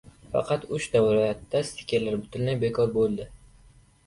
Faqat uchta viloyatda stikerlar butunlay bekor bo‘ldi